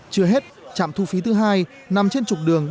chưa hết trạm thu phí thứ hai nằm trên trục đường ba mươi chín b